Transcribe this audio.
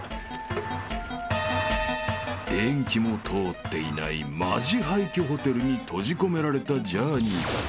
［電気も通っていないマジ廃墟ホテルに閉じ込められたジャーニーたち］